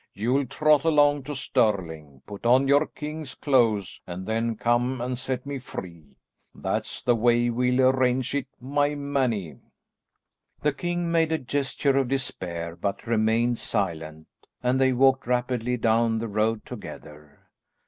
You'll trot along to Stirling, put on your king's clothes and then come and set me free. That's the way we'll arrange it, my mannie." The king made a gesture of despair, but remained silent, and they walked rapidly down the road together.